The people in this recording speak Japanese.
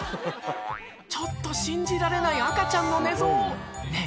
ちょっと信じられない赤ちゃんの寝相ねぇ